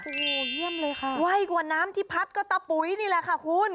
โอ้โหเยี่ยมเลยค่ะไวกว่าน้ำที่พัดก็ตะปุ๋ยนี่แหละค่ะคุณ